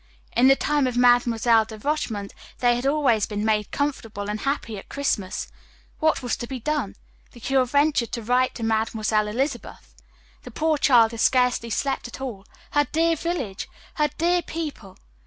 In the time of Mademoiselle de Rochemont they had always been made comfortable and happy at Christmas. What was to be done? The curé ventured to write to Mademoiselle Elizabeth. [Illustration: The villagers did not stand in awe of her.] The poor child had scarcely slept at all. Her dear village! Her dear people!